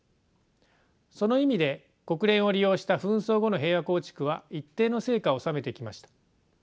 その意味で国連を利用した紛争後の平和構築は一定の成果を収めてきました。